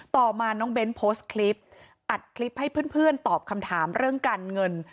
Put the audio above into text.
ต่อมาน้องเบ้นโพสต์คลิปอัดคลิปให้เพื่อนตอบคำถามเรื่องการเงิน